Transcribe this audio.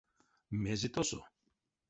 Мезе тосо?